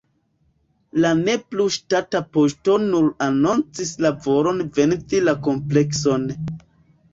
La ne plu ŝtata poŝto nun anoncis la volon vendi la komplekson.